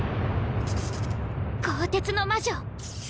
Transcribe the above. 鋼鉄の魔女。